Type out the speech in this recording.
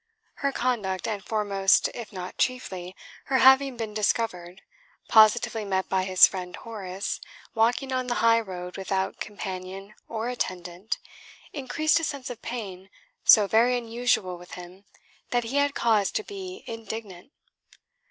Her conduct, and foremost, if not chiefly, her having been discovered, positively met by his friend Horace, walking on the high road without companion or attendant, increased a sense of pain so very unusual with him that he had cause to be indignant.